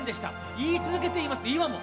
言い続けています、今も。